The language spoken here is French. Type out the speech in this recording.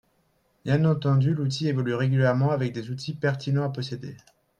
Bien entendu, l'outil évolue régulièrement avec des outils pertinents à posséder.